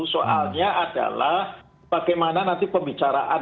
soalnya adalah bagaimana nanti pembicaraan